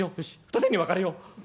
二手に分かれよう。